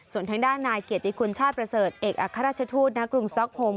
ส่วนทางด้านนายเกียรติคุณชาติประเสริฐเอกอัครราชทูตณกรุงซ็อกโฮม